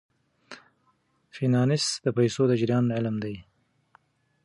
فینانس د پیسو د جریان علم دی.